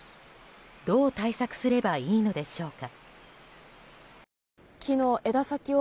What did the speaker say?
どう対策すればいいのでしょうか。